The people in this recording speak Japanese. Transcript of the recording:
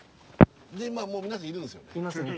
でまあ皆さんいるんですよね？